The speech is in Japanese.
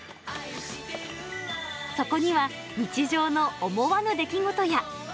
そこには、日常の思わぬ出来事や。